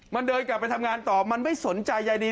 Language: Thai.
มันเดินกลับไปทำงานต่อมันไม่สนใจใยดี